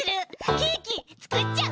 ケーキつくっちゃう？